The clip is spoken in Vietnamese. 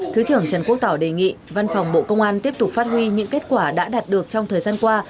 thứ trưởng trần quốc tỏ đề nghị văn phòng bộ công an tiếp tục phát huy những kết quả đã đạt được trong thời gian qua